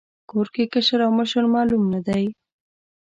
کور کې کشر او مشر معلوم نه دی.